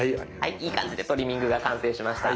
いい感じでトリミングが完成しました。